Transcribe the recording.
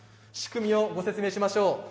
仕組みをご説明しましょう。